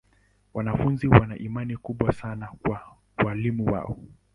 Wanafunzi wana imani kubwa sana na walimu wao.